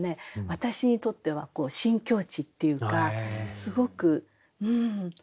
私にとっては新境地っていうかすごくうん。